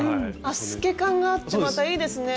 透け感があってまたいいですね。